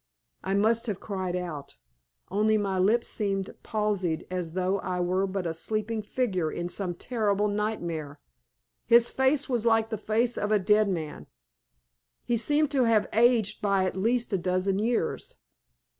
I must have cried out, only my lips seemed palsied as though I were but a sleeping figure in some terrible nightmare. His face was like the face of a dead man. He seemed to have aged by at least a dozen years.